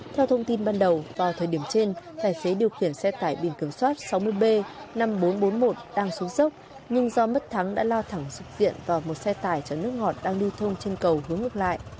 theo thông tin ban đầu vào thời điểm trên tài xế điều khiển xe tải biển kiểm soát sáu mươi b năm nghìn bốn trăm bốn mươi một đang xuống dốc nhưng do mất thắng đã lao thẳng sụp diện vào một xe tải chở nước ngọt đang lưu thông trên cầu hướng ngược lại